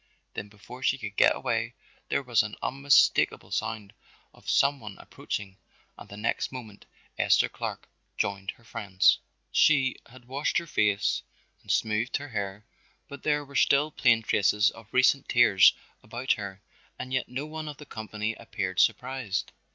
Then before she could get away there was an unmistakable sound of some one approaching and the next moment Esther Clark joined her friends. She had washed her face and smoothed her hair, but there were still plain traces of recent tears about her and yet no one of the company appeared surprised.